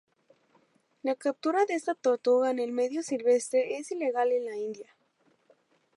La captura de esta tortuga en el medio silvestre es ilegal en la India.